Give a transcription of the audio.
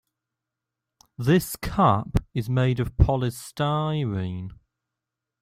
This cup is made of polystyrene.